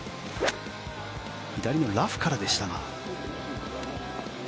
左のラフからでしたが。